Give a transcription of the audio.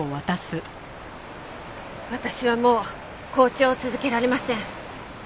私はもう校長を続けられません。